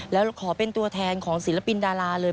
แล้วขอเป็นตัวแทนของศิลปินดาราเลย